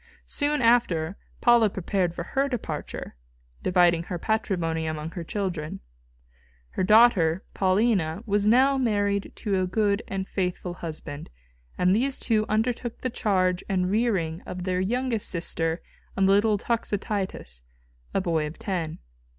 Soon after Paula prepared for her departure, dividing her patrimony among her children. Her daughter, Paulina, was now married to a good and faithful husband, and these two undertook the charge and rearing of their youngest sister and the little Toxotius, a boy of ten.